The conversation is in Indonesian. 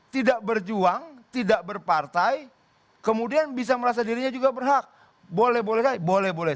tidak berjuang tidak berpartai kemudian bisa merasa dirinya juga berhak boleh boleh